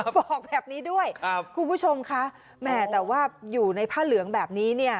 บอกแบบนี้ด้วยคุณผู้ชมคะแหมแต่ว่าอยู่ในผ้าเหลืองแบบนี้เนี่ย